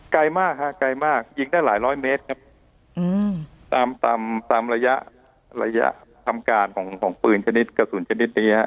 ไกลมากค่ะไกลมากยิงได้หลายร้อยเมตรครับตามระยะทำการของปืนชนิดกระสุนชนิดนี้นะครับ